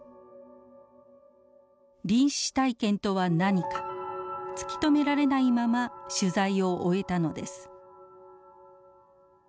臨死体験とは何か突き止められないまま取材を終えたのです。